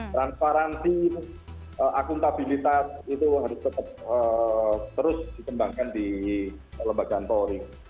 transparansi akuntabilitas itu harus tetap terus dikembangkan di lembagaan polri